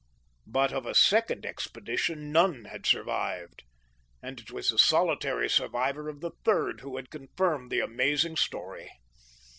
But of a second expedition none had survived, and it was the solitary survivor of the third who had confirmed the amazing story.